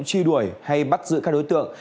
truy đuổi hay bắt giữ các đối tượng